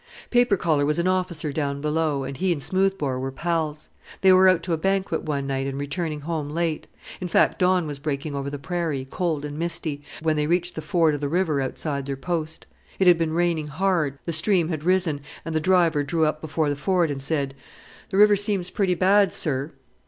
"Paper collar was an officer down below, and he and Smoothbore were pals. They were out to a banquet one night and returning home late in fact dawn was breaking over the prairie, cold and misty, when they reached the ford of the river outside their post. It had been raining hard, the stream had risen, and the driver drew up before the ford and said, 'The river seems pretty bad, sir.'